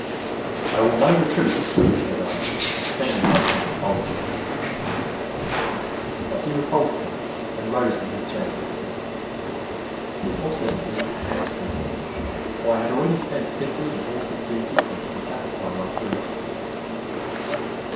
"I will know the truth," said I, extending my hand boldly. But he repulsed me and rose from his chair. His obstinacy vexed me, for I had already spent fifteen or sixteen sequins to satisfy my curiosity.